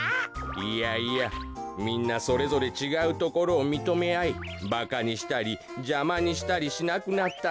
いやいやみんなそれぞれちがうところをみとめあいバカにしたりじゃまにしたりしなくなったんだ。